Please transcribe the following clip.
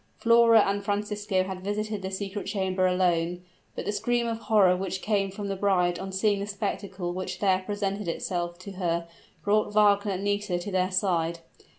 Flora and Francisco had visited the secret chamber alone, but the scream of horror which came from the bride on seeing the spectacle which there presented itself to her, brought Wagner and Nisida to their side.